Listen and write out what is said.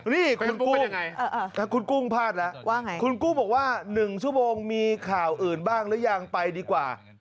นี่คุณกู้คุณกู้พลายละคุณกู้บอกว่า๑ชั่วโมงมีข่าวอื่นบ้างหรือยังไปดีกว่า